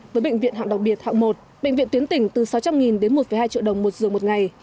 với bệnh viện hạng đặc biệt hạng một bệnh viện tuyến tỉnh từ sáu trăm linh đến một hai triệu đồng một dường một ngày